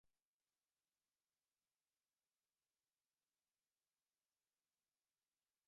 El disco supone la incorporación de la música electrónica al estilo de la banda.